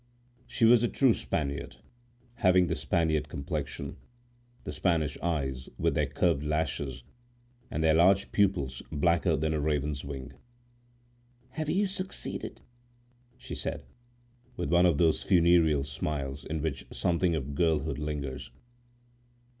She was a true Spaniard, having the Spanish complexion, the Spanish eyes with their curved lashes, and their large pupils blacker than a raven's wing. "Have you succeeded?" she said, with one of those funereal smiles in which something of girlhood lingers.